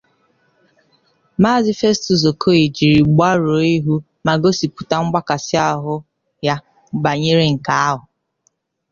Maazị Festus Okoye jiri gbarụọ ihu ma gosipụta mgbakàsị ahụ ya banyere nke ahụ